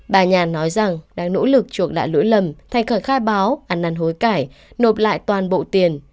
bà nhàn nói rằng đang nỗ lực chuộc lại lỗi lầm thay báo ăn năn hối cải nộp lại toàn bộ tiền